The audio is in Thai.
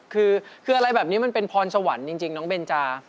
คืออะไรแบบนี้มันเป็นพรสวรรค์จริงน้องเบนจา